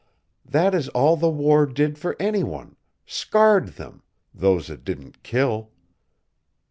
That is all the war did for any one scarred them, those it didn't kill.